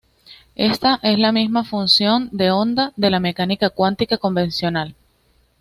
Esta es la misma función de onda de la mecánica cuántica convencional.